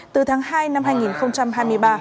từ tháng hai năm hai nghìn hai mươi ba